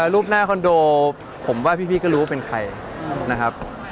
รูปหน้าคอนโดผมว่าพี่ก็รู้ว่าเป็นใครนะครับ